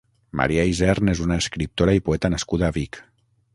Maria Isern és una escriptora i poeta nascuda a Vic.